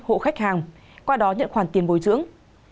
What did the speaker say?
hộ khách hàng qua đó nhận khoản tiền bồi dưỡng